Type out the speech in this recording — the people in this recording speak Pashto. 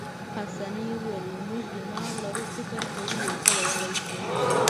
پاسیني وویل: موږ دماغ لرو، فکر کوو، یو څه ویلای شو.